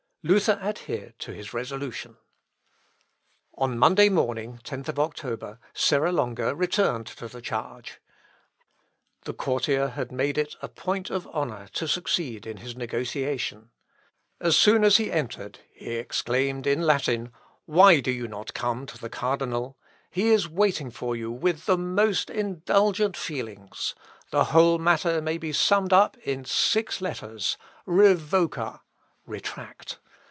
" Luther adhered to his resolution. Luth. Op. (L.) xvii, p. 205. On Monday morning, 10th October, Serra Longa returned to the charge. The courtier had made it a point of honour to succeed in his negotiation. As soon as he entered, he exclaimed in Latin, "Why do you not come to the cardinal? He is waiting for you with the most indulgent feelings. The whole matter may be summed up in six letters: REVOCA, Retract.